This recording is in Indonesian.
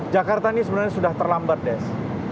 jakarta ini sebenarnya sudah terlambat des